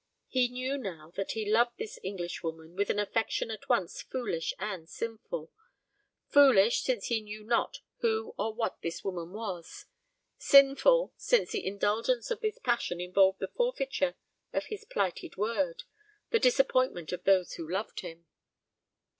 He knew now that he loved this Englishwoman with an affection at once foolish and sinful, foolish, since he knew not who or what this woman was; sinful, since the indulgence of this passion involved the forfeiture of his plighted word, the disappointment of those who loved him.